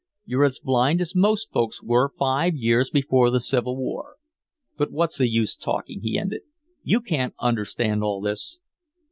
You're as blind as most folks were five years before the Civil War. But what's the use talking?" he ended. "You can't understand all this."